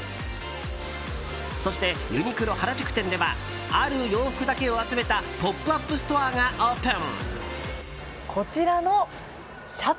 そして、ユニクロ原宿店ではある洋服だけを集めたポップアップストアがオープン。